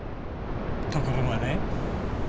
ところがね